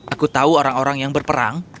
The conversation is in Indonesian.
aku tahu orang orang yang berperang